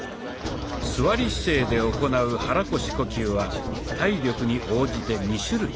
座り姿勢で行う肚腰呼吸は体力に応じて２種類。